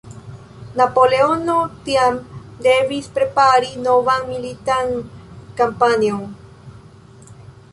Napoleono tiam devis prepari novan militan kampanjon.